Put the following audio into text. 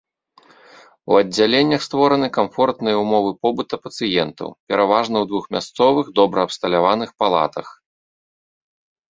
У аддзяленнях створаны камфортныя ўмовы побыта пацыентаў, пераважна ў двухмясцовых добра абсталяваных палатах.